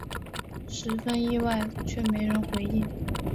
十分意外却没人回应